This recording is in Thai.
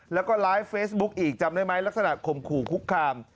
แล้วก็ไลฟ์เฟซบุ๊กอีกจำได้ไหมลักษณะข่มขู่คุกคาม